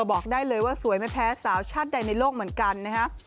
บอกได้เลยว่าสวยไม่แพ้สาวชาติใดในโลกเหมือนกันนะฮะ